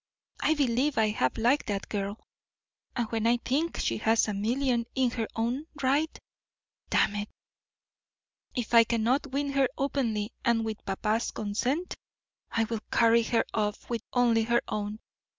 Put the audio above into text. I believe I half like that girl, and when I think she has a million in her own right Damn it, if I cannot win her openly and with papa's consent, I will carry her off with only her own.